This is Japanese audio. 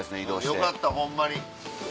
よかったホンマに。